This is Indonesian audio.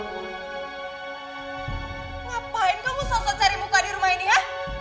ngapain kamu sosok cari muka di rumah ini ya